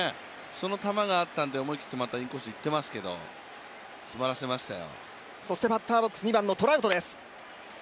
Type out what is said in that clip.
その球があったので、また思い切ってインコースいってますけど詰まらせましたよ。